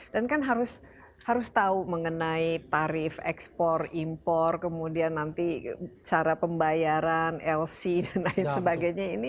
dan kan harus tahu mengenai tarif ekspor impor kemudian nanti cara pembayaran lc dan lain sebagainya ini